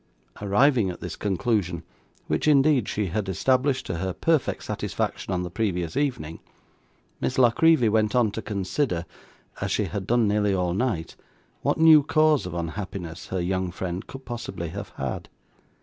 Arriving at this conclusion, which, indeed, she had established to her perfect satisfaction on the previous evening, Miss La Creevy went on to consider as she had done nearly all night what new cause of unhappiness her young friend could possibly have had.